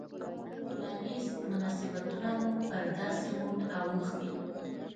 ټولنیز مناسبتونه مو پر داسې موډ اوښتي.